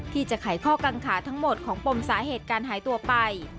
ไขข้อกังขาทั้งหมดของปมสาเหตุการหายตัวไป